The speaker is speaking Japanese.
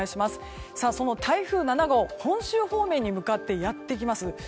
台風７号本州方面に向かってやってきます。